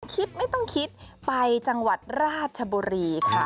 คิดไม่ต้องคิดไปจังหวัดราชบุรีค่ะ